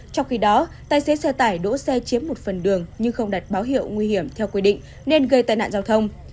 trong khi đó tài xế xe tải đỗ xe chiếm một phần đường nhưng không đặt báo hiệu nguy hiểm theo quy định nên gây tai nạn giao thông